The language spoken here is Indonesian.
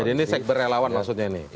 jadi ini segber relawan maksudnya ini